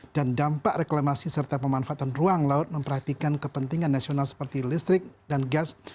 dan dampak reklamasi serta pemanfaatan ruang laut memperhatikan kepentingan nasional seperti listrik dan gas